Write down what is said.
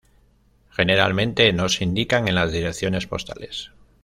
Generalmente no se indican en las direcciones postales.